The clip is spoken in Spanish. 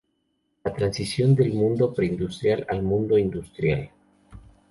La transición del mundo pre-industrial al mundo industrial.